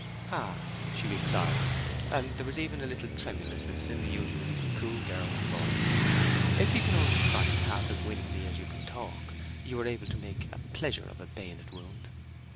"Ah!" she replied, and there was even a little tremulousness in the usually cool girl's voice; "if you can only fight half as winningly as you can talk, you are able to make a pleasure of a bayonet wound!"